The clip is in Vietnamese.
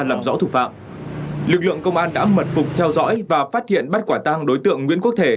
lực lượng công an đã mật phục theo dõi và phát hiện bắt quả tăng đối tượng nguyễn quốc thể